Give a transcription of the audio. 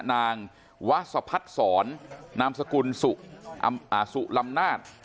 นางวัศพัฒน์สอนนามสกุลสุลำนาจ